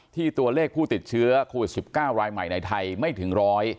ตัวเลขผู้ติดเชื้อโควิด๑๙รายใหม่ในไทยไม่ถึงร้อย